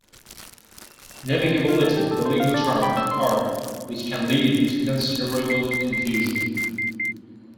'Navigability' is a legal term of art, which can lead to considerable confusion.